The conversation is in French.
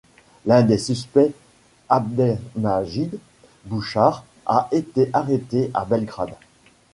L'un des suspects, Abdelmajid Bouchar, a été arrêté à Belgrade.